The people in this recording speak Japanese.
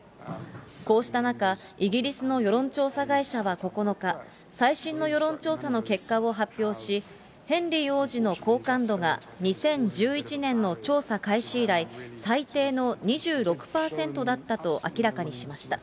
こうした中、イギリスの世論調査会社は９日、最新の世論調査の結果を発表し、ヘンリー王子の好感度が２０１１年の調査開始以来、最低の２６％だったと明らかにしました。